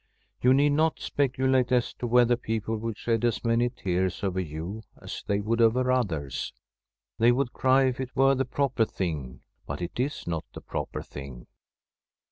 You need not speculate as to whether people will shed as many tears over you as they would over others. They would cry if it were the proper thing, but it is not the proper thing.